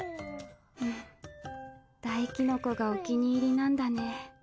うんダイキノコがお気に入りなんだね。